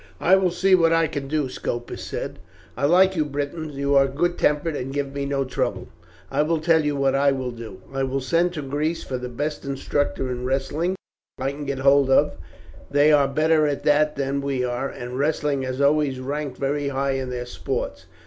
"I will see what I can do," Scopus said. "I like you Britons, you are good tempered, and give me no trouble. I will tell you what I will do, I will send to Greece for the best instructor in wrestling I can get hold of, they are better at that than we are, and wrestling has always ranked very high in their sports.